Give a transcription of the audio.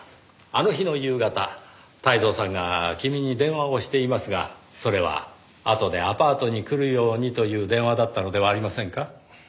あの日の夕方泰造さんが君に電話をしていますがそれはあとでアパートに来るようにという電話だったのではありませんか？